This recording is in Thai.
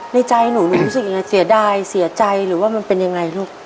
ในใจหนูหนูรู้สึกยังไงเสียดายเสียใจหรือว่ามันเป็นยังไงลูก